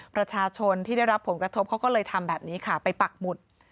ประชาชนที่ได้รับผลกระทบเขาก็เลยทำแบบนี้ค่ะไปปักหมุด